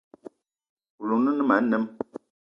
Oloun o ne ma anem.